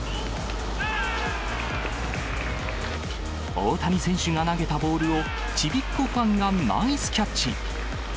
大谷選手が投げたボールを、ちびっ子ファンがナイスキャッチ。